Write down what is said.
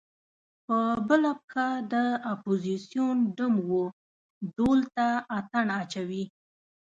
په بله پښه د اپوزیسون ډم و ډول ته اتڼ اچوي.